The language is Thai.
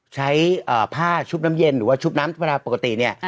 ใช้ผ้าชุบน้ำเย็นหรือชุบน้ำพอกติ